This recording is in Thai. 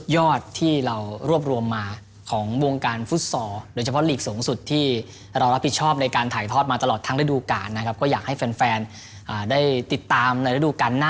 ยอดที่เรารวบรวมมาของวงการฟุตซอสโมสร